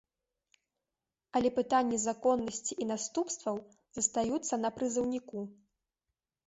Але пытанні законнасці і наступстваў застаюцца на прызыўніку.